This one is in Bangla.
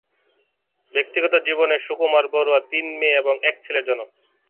ব্যক্তিগত জীবনে সুকুমার বড়ুয়া তিন মেয়ে এবং এক ছেলের জনক।